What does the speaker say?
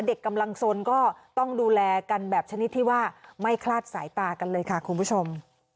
เด็กกำลังสนก็ต้องดูแลกันแบบชนิดที่ว่าไม่คลาดสายตากันเลยค่ะคุณผู้ชม